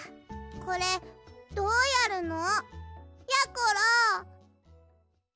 これどうやるの？やころ！